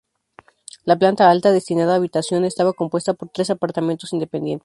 La planta alta, destinada a habitación, estaba compuesta por tres apartamentos independientes.